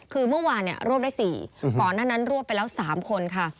คือเมื่อวานรวบได้๔ก่อนหน้านั้นรวบไปแล้ว๓คนค่ะ